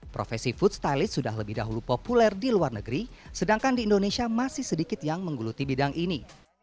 profesi food stylist sudah lebih dahulu populer di luar negeri sedangkan di indonesia masih sedikit yang menggeluti bidang ini